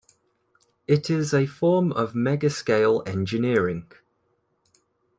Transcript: It is a form of megascale engineering.